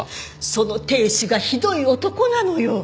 その亭主がひどい男なのよ。